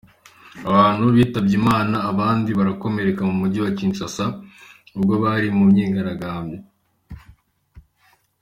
Abantu bitabye Imana abandi barakomereka mu mujyi wa Kinshasa, ubwo bari mu myigaragambyo.